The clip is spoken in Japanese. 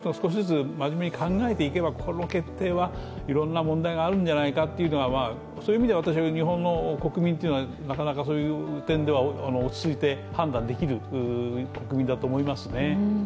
世の中の人、まじめに考えていけばいろんな問題があるんじゃないかというのが、そういう意味では、私は日本の国民というのはそういう点でいえば、落ち着いて判断できる国民だと思いますね。